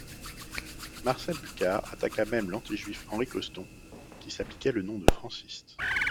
Marcel Bucard attaqua même l’antijuif Henry Coston, qui s’appliquait le nom de franciste.